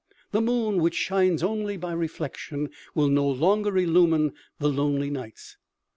The moon, which shines only by reflection, will no longer illumine the lonely nights.